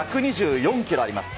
１２４キロあります。